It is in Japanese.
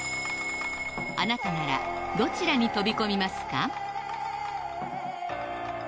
あなたならどちらに飛び込みますか？